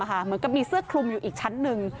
เหมือนกับมีเสื้อคลุมอยู่อีกชั้นหนึ่ง